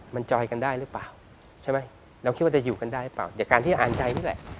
มันจอยกันได้หรือเปล่าใช่ไหมเราคิดว่าจะอยู่กันได้เปล่าจากการที่อ่านใจนี่แหละ